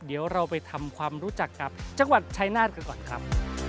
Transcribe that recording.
เดี๋ยวเราไปทำความรู้จักกับจังหวัดชายนาฏกันก่อนครับ